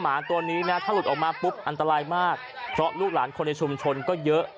หมาตัวนี้นะถ้าหลุดออกมาปุ๊บอันตรายมากเพราะลูกหลานคนในชุมชนก็เยอะ